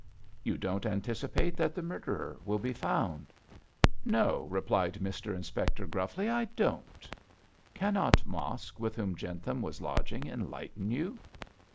'You don't anticipate that the murderer will be found?' 'No!' replied Mr Inspector, gruffly. 'I don't.' 'Cannot Mosk, with whom Jentham was lodging, enlighten you?'